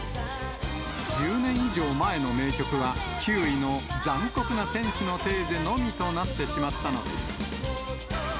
１０年以上前の名曲は、９位の残酷な天使のテーゼのみとなってしまったのです。